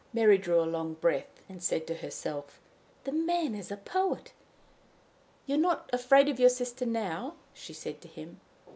Mary drew a long breath, and said to herself: "The man is a poet!" "You're not afraid of your sister now?" she said to him.